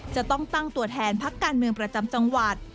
จะต้องตั้งตัวแทนพักการเมืองประจำจังหวัด